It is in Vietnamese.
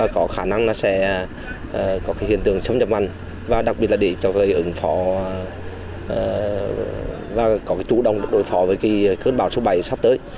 có khả năng nó sẽ có cái hiện tượng xâm nhập mặn và đặc biệt là để cho người ứng phó và có cái chủ động đối phó với cái cơn bão số bảy sắp tới